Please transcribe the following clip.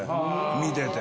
見てて。